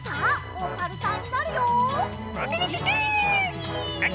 おさるさん。